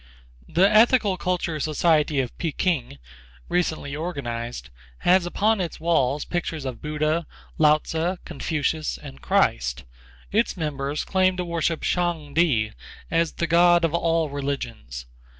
The Ethical Culture Society of Peking, recently organized, has upon its walls pictures of Buddha, Lao Tzu, Confucius and Christ. Its members claim to worship Shang Ti as the god of all religions.